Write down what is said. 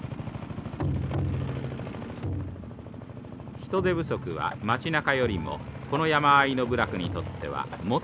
人手不足は町なかよりもこの山あいの部落にとってはもっと深刻です。